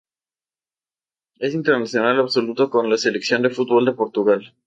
Es internacional absoluto con la selección de fútbol de Portugal.